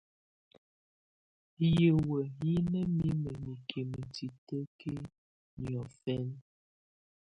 Hiwǝ́ hɛ̀ nà mimǝ mikimǝ titǝkiǝ niɔ̀fɛ̀na.